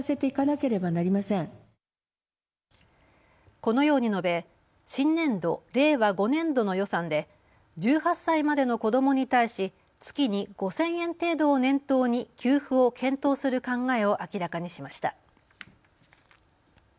このように述べ新年度、令和５年度の予算で１８歳までの子どもに対し月に５０００円程度を念頭に給付を検討する考えを明らかにしました。